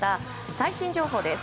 最新情報です。